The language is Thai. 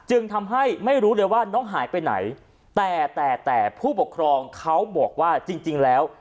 จึงทำให้ไม่รู้เลยว่าน้องหายไปไหนแต่แต่แต่ผู้ปกครองเขาบอกว่าจริงจริงแล้ว